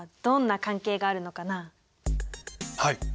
はい。